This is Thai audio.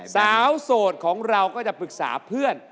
โสดของเราก็จะปรึกษาเพื่อน